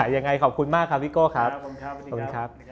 อย่างไรขอบคุณมากครับพี่สิโก้ครับ